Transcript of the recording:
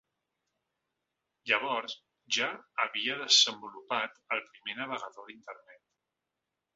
Llavors ja havia desenvolupat el primer navegador d’internet.